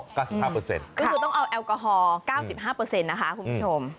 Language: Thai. ก็คือต้องเอาแอลกอฮอล๙๕นะคะคุณผู้ชม